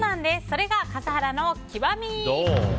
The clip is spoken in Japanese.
それが笠原の極み。